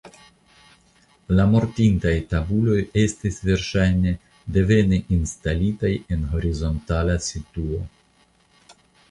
La mortintaj tabuloj estis verŝajne devene instalitaj en horizontala situo.